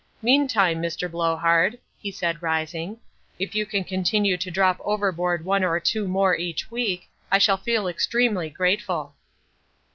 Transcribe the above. Meantime, Mr. Blowhard," he said, rising, "if you can continue to drop overboard one or two more each week, I shall feel extremely grateful."